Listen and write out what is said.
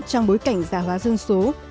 trong bối cảnh giả hóa dân số